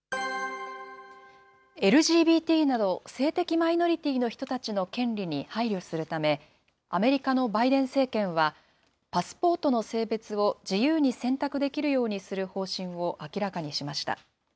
ＬＧＢＴなど性的マイノリティーの人たちの権利に配慮するため、アメリカのバイデン政権は、パスポートの性別を自由に選択できるようにする方針を明らかにしました。